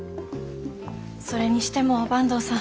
それにしても坂東さん